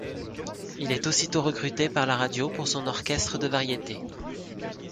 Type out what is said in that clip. Il est aussitôt recruté par la radio pour son orchestre de variété.